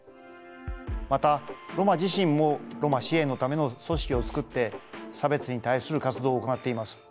またロマ自身もロマ支援のための組織を作って差別に対する活動を行っています。